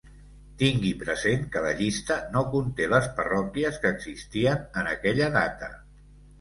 Tingui present que la llista no conté les parròquies que existien en aquella data.